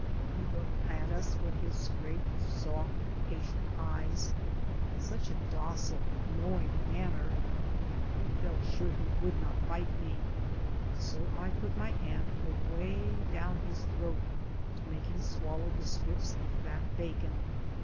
He looked at us with his great, soft, patient eyes in such a docile, knowing manner, I felt sure he would not bite me, so I put my hand away down his throat to make him swallow the strips of fat bacon.